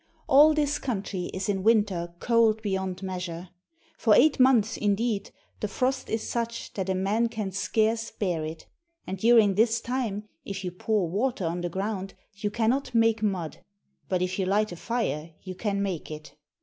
All this country is in winter cold beyond measure. For eight months, indeed, the frost is such that a man can scarce bear it; and during this time if you pour water on the ground you cannot make mud; but if you light a fire you can make it.